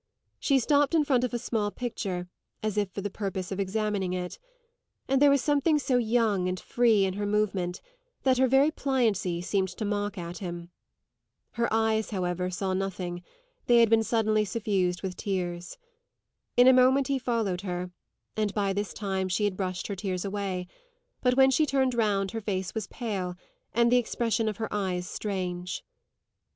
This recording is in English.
She stopped in front of a small picture as if for the purpose of examining it; and there was something so young and free in her movement that her very pliancy seemed to mock at him. Her eyes, however, saw nothing; they had suddenly been suffused with tears. In a moment he followed her, and by this time she had brushed her tears away; but when she turned round her face was pale and the expression of her eyes strange.